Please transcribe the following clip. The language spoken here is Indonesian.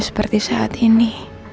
seperti saat ini